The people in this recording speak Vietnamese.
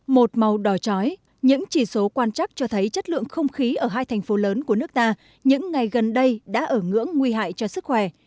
một màu đỏ trói những chỉ số quan trắc cho thấy chất lượng không khí ở hai thành phố lớn của nước ta những ngày gần đây đã ở ngưỡng nguy hại cho sức khỏe